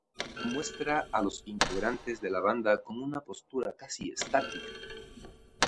Muestra a los integrantes de la banda con una postura casi estática.